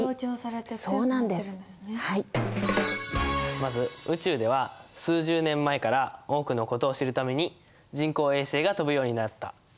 まず「宇宙では数十年前から多くのことを知るために人工衛星が飛ぶようになった。